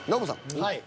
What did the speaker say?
はい。